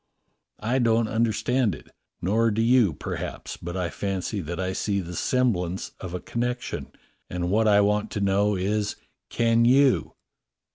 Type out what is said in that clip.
^ I don't understand it, nor do you, perhaps, but I fancy that I see the semblance of a con nection, and what I want to know is, can you.